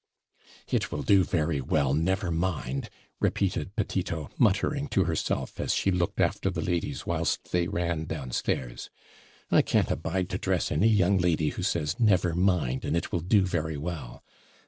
'It will do very well, never mind,' repeated Petito muttering to herself, as she looked after the ladies, whilst they ran downstairs. 'I can't abide to dress any young lady who says never mind, and it will do very well.